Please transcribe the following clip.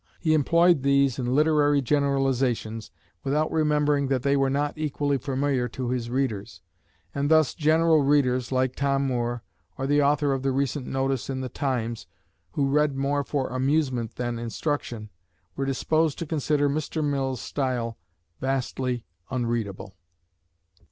He employed these in literary generalizations, without remembering that they were not equally familiar to his readers; and thus general readers, like Tom Moore, or the author of the recent notice in "The Times," who read more for amusement than instruction, were disposed to consider Mr. Mill's style "vastly unreadable."